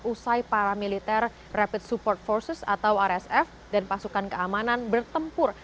usai paramiliter rapid support forces atau rsf dan pasukan keamanan bertempur